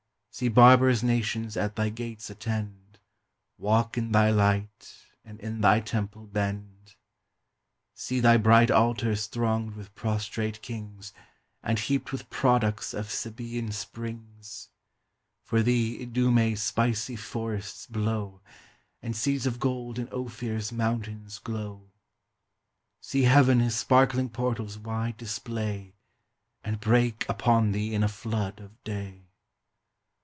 See barbarous nations at thy gates attend, Walk in thy light, and in thy temple bend! See thy bright altars thronged with prostrate kings, And heaped with products of Sabean springs! For thee Idumè's spicy forests blow, And seeds of gold in Ophir's mountains glow. See Heaven his sparkling portals wide display, And break upon thee in a flood of day!